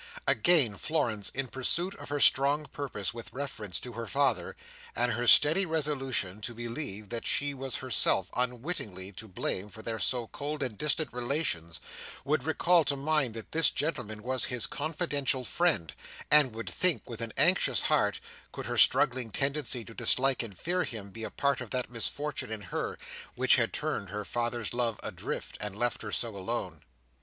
Again, Florence, in pursuit of her strong purpose with reference to her father, and her steady resolution to believe that she was herself unwittingly to blame for their so cold and distant relations, would recall to mind that this gentleman was his confidential friend, and would think, with an anxious heart, could her struggling tendency to dislike and fear him be a part of that misfortune in her, which had turned her father's love adrift, and left her so alone?